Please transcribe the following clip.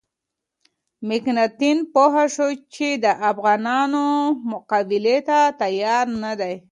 مکناتن پوه شو چې د افغانانو مقابلې ته تیار نه دی.